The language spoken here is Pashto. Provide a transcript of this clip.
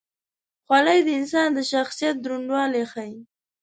خولۍ د انسان د شخصیت دروندوالی ښيي.